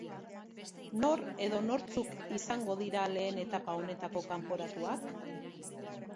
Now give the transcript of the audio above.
Nor edo nortzuk izango dira lehen etapa honetako kanporatuak?